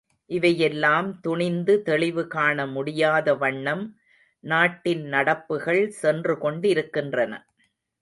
இவையெல்லாம் துணிந்து தெளிவு காணமுடியாத வண்ணம் நாட்டின் நடப்புகள் சென்று கொண்டிருக்கின்றன.